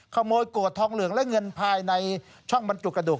ขโมยโกรธทองเหลืองและเงินภายในช่องบรรจุกระดูก